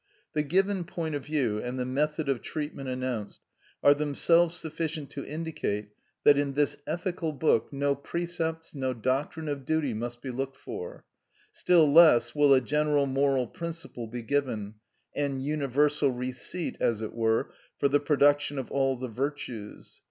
The given point of view, and the method of treatment announced, are themselves sufficient to indicate that in this ethical book no precepts, no doctrine of duty must be looked for; still less will a general moral principle be given, an universal receipt, as it were, for the production of all the virtues.